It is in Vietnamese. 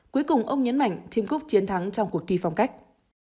cuối cùng ông nhấn mạnh tim cúc chiến thắng trong cuộc kỳ phong cách